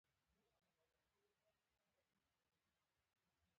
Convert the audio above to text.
مزارشریف د افغانستان د بیلابیلو صنعتونو لپاره مواد پوره برابروي.